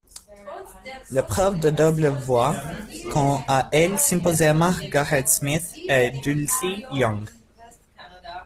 L'épreuve de double voit quant à elle s'imposer Margaret Smith et Dulcie Young.